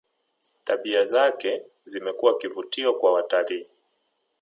tabia zake zimekuwa kivutio kwa watalii